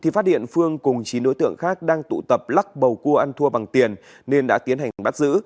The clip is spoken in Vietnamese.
phát hiện phương cùng chín đối tượng khác đang tụ tập lắc bầu cua ăn thua bằng tiền nên đã tiến hành bắt giữ